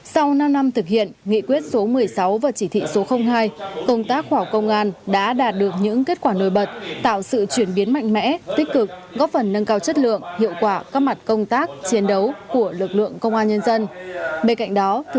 sau năm năm thực hiện nghị quyết số một mươi sáu và chỉ thị số hai công tác khoa học công an đã đạt được những kết quả nổi bật tạo sự chuyển biến mạnh mẽ tích cực góp phần nâng cao chất lượng hiệu quả các mặt công tác chiến đấu của lực lượng công an nhân dân